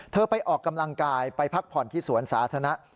ไปออกกำลังกายไปพักผ่อนที่สวนสาธารณะ